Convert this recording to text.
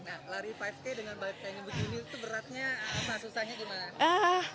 nah lari lima k dengan balik kayaknya begini itu beratnya susahnya gimana